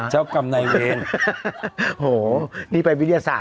เจ้ากรรมนายเวร